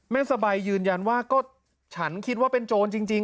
สบายยืนยันว่าก็ฉันคิดว่าเป็นโจรจริง